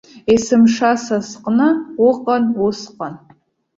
Есымша са сҟны уҟан усҟан.